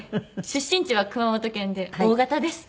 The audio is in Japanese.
出身地は熊本県でＯ型です。